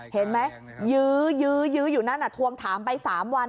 เห็นไหมยื้อยื้อยื้ออยู่นั่นน่ะทวงถามไปสามวัน